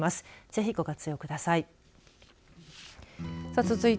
ぜひ、ご活用ください。